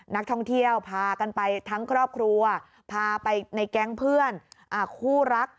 นักท่องเที่ยวพากันไปทั้งครอบครัวพาไปในแก๊งเพื่อนคู่รัก